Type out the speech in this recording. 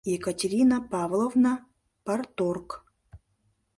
— Екатерина Павловна, парторг.